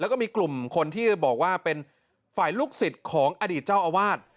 แล้วก็มีกลุ่มคนที่บอกว่าเป็นฝ่ายลูกศิษย์ของอดีตเจ้าอาวาส